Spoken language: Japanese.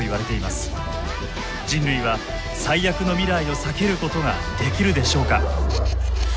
人類は最悪の未来を避けることができるでしょうか。